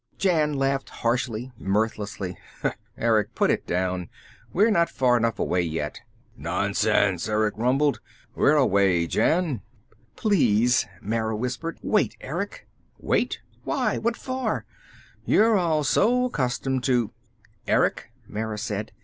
Jan laughed harshly, mirthlessly. "Erick, put it down. We're not far enough away, yet." "Nonsense," Erick rumbled. "We're away, Jan." "Please," Mara whispered. "Wait, Erick." "Wait? Why? What for? You're so accustomed to " "Erick," Mara said.